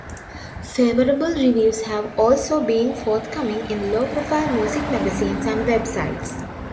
Favourable reviews have also been forthcoming in low profile music magazines and websites.